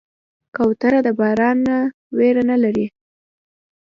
کوتره د باران نه ویره نه لري.